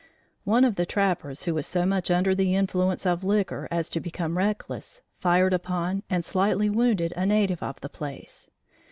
One of the trappers who was so much under the influence of liquor as to become reckless, fired upon and slightly wounded a native of the place.